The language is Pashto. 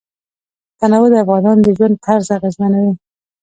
تنوع د افغانانو د ژوند طرز اغېزمنوي.